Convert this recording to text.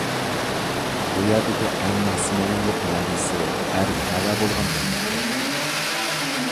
بۇ يەردىكى ئەرنىڭ سىمۋوللۇق مەنىسى ئەر تەۋە بولغان مىللەتتۇر.